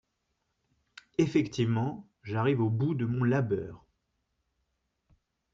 Effectivement, j'arrive au bout de mon labeur